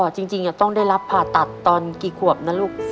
จริงต้องได้รับผ่าตัดตอนกี่ขวบนะลูก